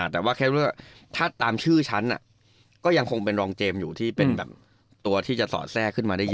แต่ว่าแค่ว่าถ้าตามชื่อฉันก็ยังคงเป็นรองเจมส์อยู่ที่เป็นแบบตัวที่จะสอดแทรกขึ้นมาได้เยอะ